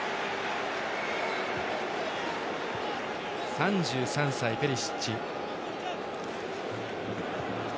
３３歳、ペリシッチ。